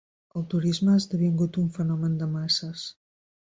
El turisme ha esdevingut un fenomen de masses.